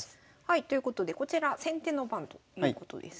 ということでこちら先手の番ということです。